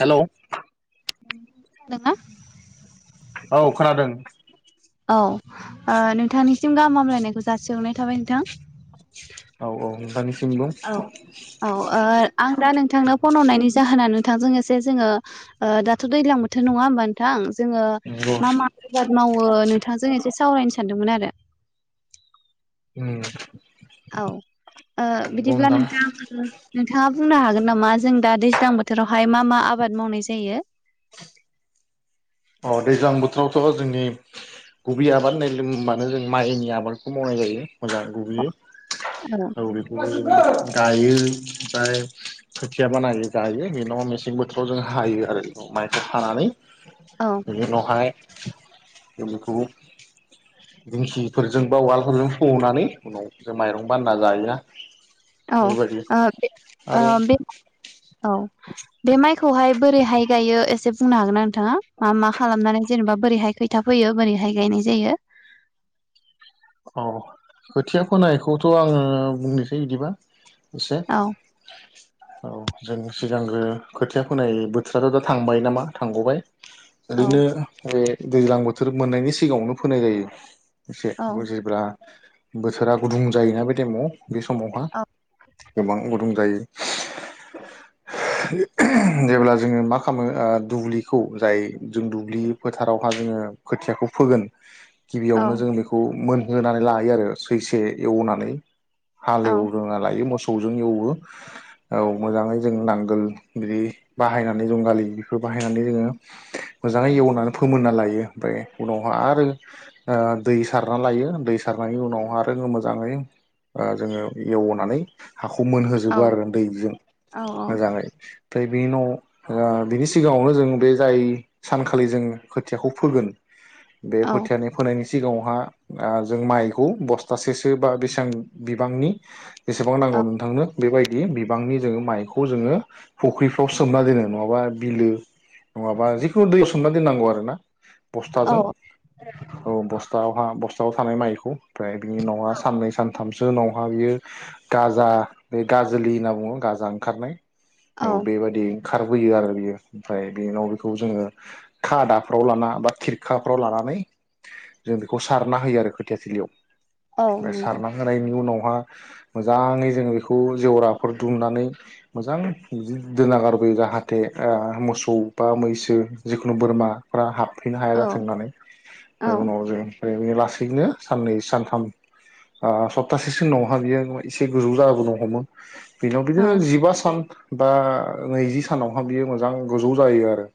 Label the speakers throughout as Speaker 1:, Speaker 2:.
Speaker 1: हेल'
Speaker 2: दोंना?
Speaker 1: औ खोनादों।
Speaker 2: औ ओ नोंथांनिसिम गाहाम हामलायनायखौ जासिहरनाय थाबाय नोंथां।
Speaker 1: औ - औ दानि
Speaker 2: औ -औ ओ आं दा नोंथांनो फन हरनायनि जाहोना नोंथांजों ए जे जोङो दाथ' दैजलां बोथोर नङा होमब नोंथां जोङो
Speaker 1: नंगौ
Speaker 2: मा -मा आबाद मावो नोंथांजों एसे सावरायनो सानदोंमोन आरो
Speaker 1: उम
Speaker 2: औ ओ बिदिब्ला नोंथां नोंथाङा बुंनो हागोन? जों नामा जों दा दैज्लां बोथोरावहाय मा मा आबाद मावनाय जायो।
Speaker 1: अ दैज्लां बोथोरावथ' जोंनि गुबै आबाद होननाय लबानो जों माइनि आबादखौ मावनाय जायो। मोजां गुबगैयो
Speaker 2: औ
Speaker 1: औा बेखौबो गायो ओमफ्राय। खोथिया बानायो गायो बेनावा मेसें बोथोराव जों हायो आरो माइखौ हानानै
Speaker 2: औ
Speaker 1: बेनि उनावहाय जोंखौ दिन्थि फोरजों बा उवालफोरजों सौनानै उनाव जों माइरं बानना जायो ना?
Speaker 2: औ बे औ बे माइ खौहाय बोरैहाय गायो एसे बुंनो हागोन ना नोंथाङा मा - मा खालामनानै जेनेबा बोरैहाय खैथा फैयो बोरैहाय बेहाय गायनाय जायो
Speaker 1: औ खोथिया फोनायखौथ' आङो बुंनोसै बिदिबा एसे
Speaker 2: औ
Speaker 1: औ। जों सिगांग्रो खोथिया खोनाय बोथोराथ' दा थांबाय नामा थांग'बाय।
Speaker 2: औ
Speaker 1: ओरैनो बे दैज्लां बोथोर मोननायनि सिगाङावनो फोनाय जायो एसे
Speaker 2: औ
Speaker 1: जेब्ला बोथोरा गुदुं जायोना बे टाइमाव बे समावहा
Speaker 2: औ
Speaker 1: गोबां गुदुं जायो।
Speaker 2: [inaudible]
Speaker 1: जेब्ला जोङो मा खालामो दुब्लिखौ जाय जों दुब्लि फोथारावहा जोङो खोथियाखौ फोगोन गिबियावनो
Speaker 2: औ
Speaker 1: जों बेखौ मोनहोनानै लायो आरो सैसे एवनानै
Speaker 2: औ
Speaker 1: हालेवग्रोना लायो मोसौ जों एवो औ मोजाङै जों नांगोल बिदि बाहायनानै जोंगालि बेफोर बा हायनानै जोङो मोजांङै एवनानै फोमोनना लायो उनावहा आरो ओ दै सारना लायो दै सारनायनि उनावहा आरो मोजाङै जोङो एवनानै हाखौ मोनहोजोबो
Speaker 2: औ
Speaker 1: आरो दैजों
Speaker 2: औ
Speaker 1: मोजाङै ओमफ्राय बेनि उनाव बिनि सिगाङावनो जों बे जाय सानखालि जों खोथियाखौ फोगोन बे खोथियानि फोनायनि सिगाङावहा जों माइखौ बस्थासेसो बा बेसेबां बिबांनि एसेबां नांगौ नोंथांनो बेबायदि बिबांनि जोङो माइखौ जोङो फुख्रिफ्राव सोमना दोनो नङाबा बिलो नङाबा जिखुनु दैआव सोमना दोननांगौ आरो ना
Speaker 2: औ
Speaker 1: बस्थाजों औ बस्तावहा स्थाआव थानाय माइखौ ओमफ्राय बिनि उनावहा साननै सानथामसो उनावहा बियो गाजा बे गाजोलि होनना बुङो गाजा ओंखारनाय औ बेबादि खारबोयो आरो बियो ओमफ्राय बेनि उनाव बेखौ जोङो खादाफ्राव लाना बा खिरखाफ्राव लानानै जों बेखौ सारना होयो आरो खोथियाथिलियाव
Speaker 2: औ
Speaker 1: ओ
Speaker 2: नंगौ
Speaker 1: सारना होनायनि उनाव हा मोजांङै जों बेखौ जेवराफोर दुमनानै मोजां [unintelligible] दोना गारबो उम जाहाथे आ मोसौ बा मैसो जिखुनु बोरमाफ्रा हाब फैनो हाया
Speaker 2: औ
Speaker 1: जाथों होननानै
Speaker 2: औ
Speaker 1: ओमफ्राय उनाव जों बेनि लासैनो साननै सानथाम ओ सप्तासेसो उनावहा बियो एसे गोजौ जाबोनो हमो बेनियावदि जिबा सान बा नैजि सानावहा बियो मोजां गोजौ जायो आरो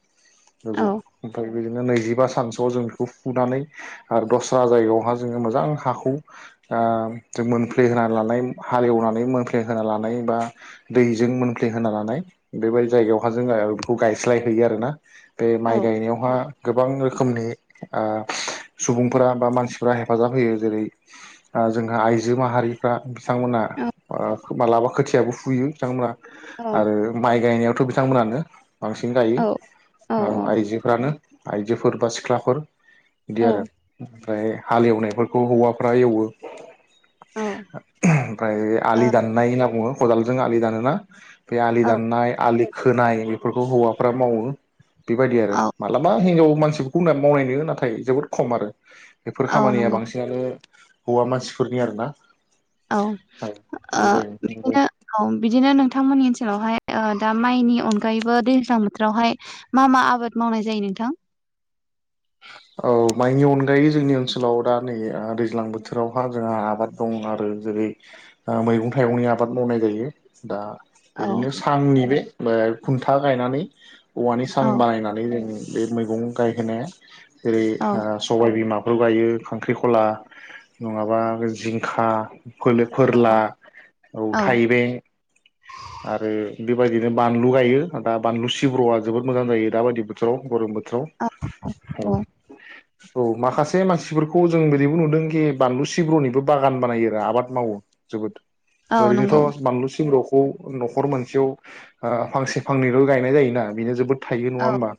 Speaker 2: औ
Speaker 1: गोजौ ओमफ्राय बिदिनो नैजिबा सानसोआव जों बेखौ फुनानै आरो दस्रा जायगायावहा जोङो मोजां हाखौ ओ मोनफ्लेहोना लानाय हालेवना‌ नानै मोनफ्लेहोना लानाय बा दैजों मोनफ्ले होना लानाय बेबादि जायगायावहा जोंङो बेखौ गा गायस्लायहैयो आरोना बे
Speaker 2: औ
Speaker 1: माइ गायनायावहा गोबां रोखोमनि ओ सुबुंफोरा बा मानसिफोरा हेफाजाब होयो जेरै ओ जोंहा आइजो माहारिफ्रा बिथांमोना ओ मालाबा खोथियाबो फुयो बिथांमोना आरो माइ गायनायावथ' बि थांमोनानो बांसिन गायो ओ आइजोफ्रानो आइजोफोर बा सिख्लाफोर बिदि आरो ओमफ्राय हाल एवनायफोरखौ हौवाफ्रा एवो ओमफ्राय आलि दाननाय होनना बुङो खदालजों आलि दानोना बे आलि
Speaker 2: औ
Speaker 1: दाननाय आलि खोनाय बेफोरखौ हौवाफ्रा मावो बेबायदि आरो
Speaker 2: औ
Speaker 1: मालाबा हिनजाव मानसिफोरखौ मावनाय नुयो नाथाय जोबोद खम आरो बेफोर
Speaker 2: औ
Speaker 1: खामानिया
Speaker 2: नंगौ
Speaker 1: बांसिनानो हौवा मानसिफोरनि आरोना
Speaker 2: औ
Speaker 1: औ
Speaker 2: ओ
Speaker 1: बेबायदि नंगौ
Speaker 2: बिदिनो औ बिदिनो नोंथांमोननि ओनसोलावहाय ओ दा माइनि अनगायैबो दैज्लां बोथोरावहाय मा मा आबाद मावनाय जायो नोंथां [unintelligible]
Speaker 1: औ माइनि अनगायै जोंनि ओनसोलाव दा नै ओ दैज्लां बोथोरावहा जोंहा आबाद दं आरो जो रै ओ मैगं -थाइगंनि आबाद मावनाय जायो दा
Speaker 2: औ
Speaker 1: ओरैनो सांनि बे मो खुन्था गायनानै औवानि
Speaker 2: औ
Speaker 1: सां बानायनानै जों बे मैगं गायहोनाया जेरै
Speaker 2: औ
Speaker 1: ओ सबाय बिमा खौ गायो खांख्रिखला नङाबा जिंखा फोलो फोरला
Speaker 2: औ
Speaker 1: औ थाइबें आरो बे [unintelligible] बायदिनो बानलु गायो दा बानलु सिब्रुआ जोबोद मोजां जायो दा बायदि बोथोराव गरम बोथ
Speaker 2: [unintelligible] अ
Speaker 1: औ माखासे मानसिफोरखौ जों बेदिबो नुदोंखि बानलु सिब्र'निबो बागान बानायोरा आबाद मावो जोबोद
Speaker 2: औ नंगौ
Speaker 1: ओरैनोथ' बानलु सिं रख खौ न'खर मोनसेयाव ओ फांसे फांनैल' गायनाय जायोना बेनो जोबोद थायो नङा
Speaker 2: औ
Speaker 1: होमबा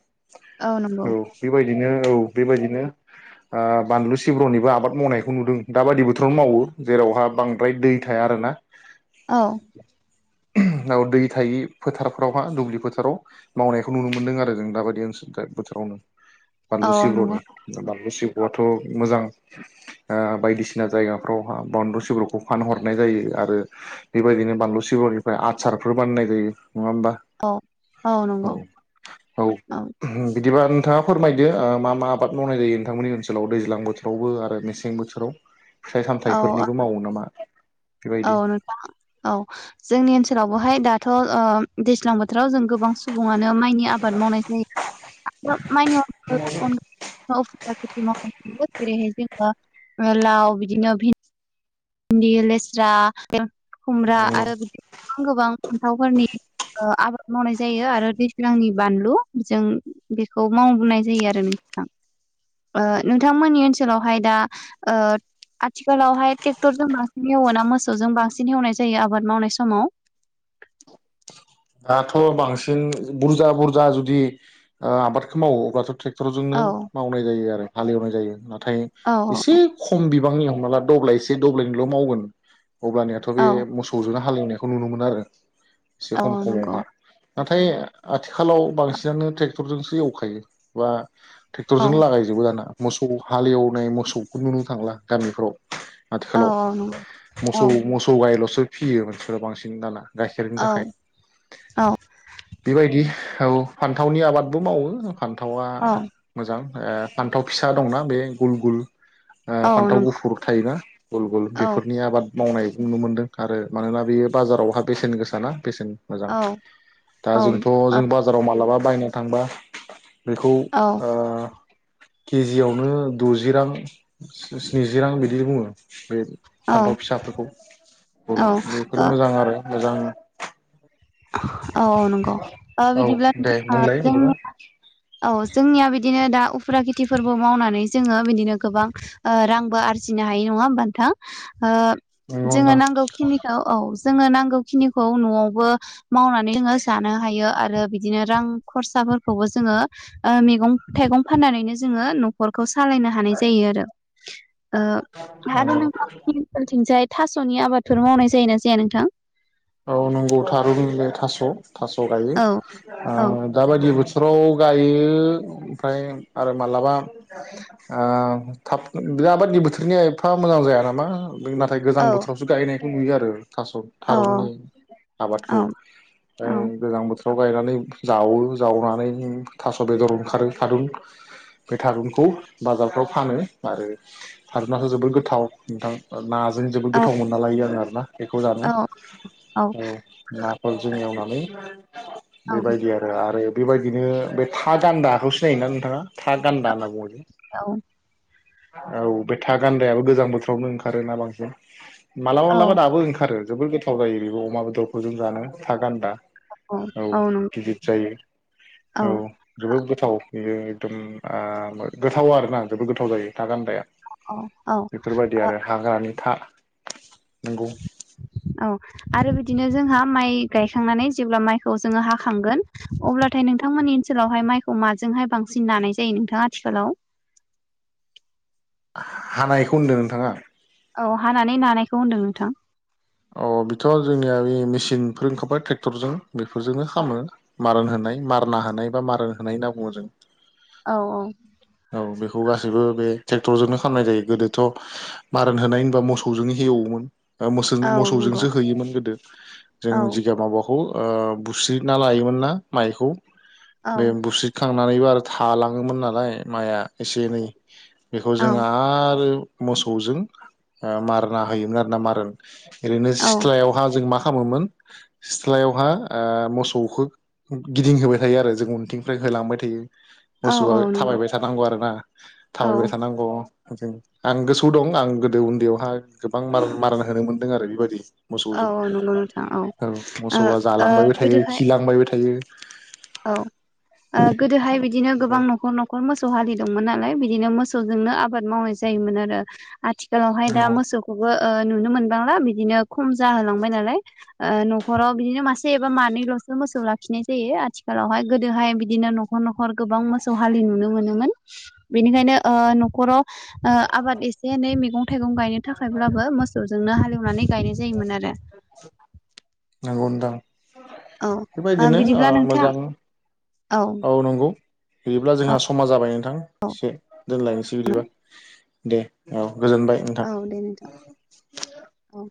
Speaker 1: औ बेबायदिनो औ बेबायदिनो ओ बानलु सिब्रनिबो आबाद मावनायखौ नुदों दा बायदि बोथोरावनो मावो जेरावहा बांद्राय दै थाया आरो ना
Speaker 2: औ
Speaker 1: नाव दै थायि फोथारफोरावहा दुब्लि फोथाराव मावनायखौ नुनो मोनदों आरो जों दाबायदि ओनसो [unintelligible] बोथोरावनो
Speaker 2: औ
Speaker 1: बानलु सिब्र'नि
Speaker 2: नंगौ
Speaker 1: बानलु सिब्र'आथ' मोजां ओ बायदिसिना जायगाफ्रावहा बानलु सिब्रुखौ फानहरनाय जायो आरो बेबायद दिनो बानलु सिब्रनिफ्राय आदसारफोर बानायनाय जायो नङा होमबा
Speaker 2: औ
Speaker 1: औ औ [unintelligible] बिदिबा नोंथाङा फोरमायदो ओ मा मा आबाद मावनाय जायो नोंथांमोननि ओनसोलाव दैज्लां बोथोरावबो आरो मेसें बोथोराव फिथाइ
Speaker 2: औ
Speaker 1: -सामथाइफोरनिबो मावो नामा
Speaker 2: औ
Speaker 1: बेबायदि
Speaker 2: नोंथां औ जोंनि ओनसोलाव बहाय दाथ' ओ दैज्लां बोथ थोराव जों गोबां सुबुङानो माइनि आबाद मावनाय जायो [unintelligible] [unintelligible] ख मावह ज लाव बिदिनो भिन्दि लेस्रा खुमब्रा
Speaker 1: नंगौ
Speaker 2: आरो बिदि गोबां गोबां फान्थावफोरनि ओ आबाद मावनाय जायो आरो दैज्लांनि बानलु जों बेखौ मावनाय जायो आरो नों थां ओ नोंथांमोननि ओनसोलावहाय दा ओ आथिखालावहाय टेक्टरजों बांसिन एव ना मोसौजों बांसिन एवनाय जायो आबाद मावनाय समाव?
Speaker 1: दाथ' बांसिन बुरजा बुरजा जुदि ओ आबादखौ मावोबा अब्लाथ' थे क्टरजोंनो
Speaker 2: औ
Speaker 1: मावनाय जायो आरो हालेवनाय जायो नाथाय
Speaker 2: औ
Speaker 1: एसे खम बि बांनि हमना ला दब्लाइसे दोब्लाइनै मावगोन अब्लानियाथ बे
Speaker 2: औ
Speaker 1: मसौ जों हा हालेवनायखौ नुनो मोन आरो एसे खम
Speaker 2: औ
Speaker 1: खमावहा
Speaker 2: नंगौ
Speaker 1: नाथाय आथिखालाव बांसिनानो ट्रेक्टरजोंसो एवखायो बा
Speaker 2: औ
Speaker 1: ट्रेक्टरजोंनो लागायजोबो दाना मोसौ हालेवनाय मोसौखौ नुनो थांला गामिफ्राव।
Speaker 2: औ
Speaker 1: आथिखालाव
Speaker 2: नंगौ औ
Speaker 1: मोसौ मोसौ गायल'सै फिसियो मानसिफ्रा बांसिन दाना गाइखेरनि थाखाय
Speaker 2: औ
Speaker 1: बेबायदि औ फान्थावनि आबादबो मावो फान्थावा
Speaker 2: औ
Speaker 1: मोजां ओ फान्थाव फिसा दंना बे गुल गुल ओ
Speaker 2: औ
Speaker 1: फान्थाव
Speaker 2: नंगौ
Speaker 1: गुफुर थायोना गल गल
Speaker 2: औ
Speaker 1: बेफोरनि आबाद मावनाय नुनो मोनदों आरो मानोना बेयो बाजारावहा बेसेन गोसाना बेसेनक्ष मोजां
Speaker 2: औ
Speaker 1: दा
Speaker 2: औ
Speaker 1: जोंथ' जों बाजाराव मालाबा बायना थांबा बेखौ ओ केजियावनो द'जि रां स्निजि रां बिदि बुङो बे फान्थाव
Speaker 2: औ
Speaker 1: फिसाफोरखौ फुल बेफोर
Speaker 2: औ औ
Speaker 1: मोजां आरो मोजां
Speaker 2: औ नंगौ ओ
Speaker 1: औ
Speaker 2: बिदिब्ला
Speaker 1: दे
Speaker 2: नोंथां
Speaker 1: बुंलाय
Speaker 2: जोंनि
Speaker 1: बिदिबा
Speaker 2: औ जोंनिया बिदिनो दा उफुरा खेथि फोरबो मावनानै जोंङो बिदिनो गोबांओ रांबो आरजिनो हायो नङा होमबा नोंथां ओ
Speaker 1: नंगौ
Speaker 2: जोंङो
Speaker 1: नोंथां
Speaker 2: नांगौखिनिखौ औ जोंङो नांगौ खिनिखौ न'आवबो मावनानै जोंङो जानो हायो आरो बिदिनो रां खरसाफोरखौबो जोंङोओ मैगं थाइ थाइगं फाननानैनो जोंङो न'खरखौ सालायनो हानाय जायो आरो। ओ आरो
Speaker 1: औ
Speaker 2: नोंथां मोननिथिं जाय ओनसोलथिंजाय थास'नि आबादफोर मावनाय जायोना जाया नोंथां?
Speaker 1: औ नंगौ थारुनबिलाय थास' थास' गायो
Speaker 2: औ
Speaker 1: ओ
Speaker 2: औ
Speaker 1: दाबायदि बोथोर बोथोराव गायो ओमफ्राय आरो माब्लाबा आ थाब बिरबादनि बोथोरनि एफा मोजां जाया नामा नाथाय गोजां
Speaker 2: औ
Speaker 1: बोथोरावसो गायनायखौ नुयो आरो थास'
Speaker 2: औ
Speaker 1: थारुननि आबादखौ
Speaker 2: औ औ
Speaker 1: ओमफ्राय गोजां बोथोर थाव गायनानै जावो जावनानै थास' बेदर ओंखारो थारुन बे थारुनखौ बाजारफ्राव फानो आरो थारनाथ' जोबोद गोथाव नोंथां। ना जों जोबो
Speaker 2: औ
Speaker 1: गोथाव मोनना लायो आङ आरोना बेखौ जानो
Speaker 2: औ
Speaker 1: औ नाफोरजों
Speaker 2: औ
Speaker 1: बेबायदि आरो आरो बेबायदिनो बे था गान्दाखौ सिनायोना नोंथाङा? था गान्दा होनना बुंङो लै
Speaker 2: औ
Speaker 1: औ बे था गान्दायाबो गोजां बोथोरावनो ओंखारोना बांसिन मालाबा
Speaker 2: औ
Speaker 1: मालाबा दाबो ओंखारो। जोबोर गोथाव जायो बेबो अमा बेदरखौ जों जानो था गान्दा औ गिदिर जायो। औ जोबोद गोथाव बेयो एकदम ओ गोथाव आरोना जोबोद गोथाव जायो। था गान्दाया
Speaker 2: औ औ
Speaker 1: बेफोरबायदि आरो हाग्रानि था नंगौ
Speaker 2: [inaudible] औ आरो बिदिनो जोंहा माइ गायखांनानै जेब्ला माइखौ जोङो हाखांगोन अब्लाथायनो नोंथांमोननि ओनसोलावहाय माइखौ माजोंहाय बांसिन नानाय जायो नोंथाङा आथिखालाव [inaudible]
Speaker 1: हानायखौ होनदों नोंथांङा
Speaker 2: औ हानानै नानायखौ होनदों नोंथां।
Speaker 1: अ बेथ' जोंनिया बे मेसििनफोर ओखखारबाय ट्रेक्टरजों बेफोरजोंनो खामो मारन होनाय मारना होनाय बा मारन होनाय होनना बुङो जों
Speaker 2: औ औ
Speaker 1: औ बेखौ गासैबो बे ट्रेक्टरजोंोंनो खालामनाय जायो गोदोथ' मारन होनाय होनबा मोसौजोंनो एेवोमोन म
Speaker 2: औ नंगौ
Speaker 1: मोसौजोंसो हैयोमोन गोदो जों
Speaker 2: औ
Speaker 1: जिगाब माबाखौ [unintelligible] बुस्रिना लायोमोन ना माइखौ
Speaker 2: औ
Speaker 1: बे बुस्रिखां [unintelligible] खालामनानैबो आरो थालाङोमोन नालाय माइआ एसे एनै बेखौ
Speaker 2: औ
Speaker 1: जों आरो [unintelligible] मोसौजों मारना होयोमोन आरोोना मारोन ओरैनो
Speaker 2: औ
Speaker 1: सिथ्लायावहा जों माखा [inaudible] खालामामोमोन सिथ्लायावहा मोसौखौ [unintelligible] गिदिं होबाय थायो आरो जों उनथिंनिफ्राय होलांबाय थायो
Speaker 2: औ
Speaker 1: मोसौआ
Speaker 2: औ नंगौ
Speaker 1: थाबायबाय थानांगौ आरो ना
Speaker 2: औ
Speaker 1: थाबायबाय थानांगौ ों आं गोसोआव दं आं गोदो उन्दैयावहााय गोबांार मारान होनो मोनदों आरो बेबायदि [unintelligible]
Speaker 2: औ
Speaker 1: मोसौजों
Speaker 2: औ नंगौ नोंथां
Speaker 1: औ
Speaker 2: ओ
Speaker 1: मोसौआ
Speaker 2: ओ
Speaker 1: जालांबायबो थायो
Speaker 2: गोदोहाय
Speaker 1: खिलांबायबो थायो
Speaker 2: औ गोदोहाय बिदिनो गोबां न'खर न'खर मोसौ हारि दंमोन [inaudible] नालाय बिदिनो मोसौ जनो आबाद मावनाय जायोन आरो आथिखालावहाय दा
Speaker 1: नंगौ
Speaker 2: मोसौखौबो नुनो मोनबांला बिदिनो खम जाहोलांबाय नालाय न'खराव बिदिनो मासे एबा मानैलस [unintelligible] ो मोसौ लाखिनाय जायो आथिखाल [unintelligible] आथिखालावहाय गोदोहाय बिदिनो न'खर न'खर गोबां मोसौ हालि नुनो मोनोमोन बेनिखायनो न'खराव [unintelligible] आबाद एसे एनै मैगं थाइगं गायनो थाखायब्लाबो मोसौजोंनो हालेवनानै गायनाय जायोमोन आरो
Speaker 1: नंगौ [unintelligible]
Speaker 2: औ
Speaker 1: बेबायदिनो ओ
Speaker 2: बिदिब्ला नोंथां
Speaker 1: मोजां औ नंगौ बियोब्ला जोंहा समाज जाबाय नोंथां
Speaker 2: औ
Speaker 1: एसे दोनलायनोसै बिदिबा दे औ गोजोनबाय नोंथां
Speaker 2: औ दे नोंथां औ